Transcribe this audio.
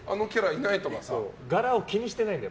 柄を気にしてないんだ。